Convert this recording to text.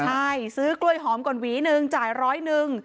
ใช่ซื้อกล้วยหอมก่อนหวีหนึ่งจ่ายร้อยหนึ่ง